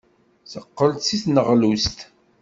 Teqqel-d seg tneɣlust.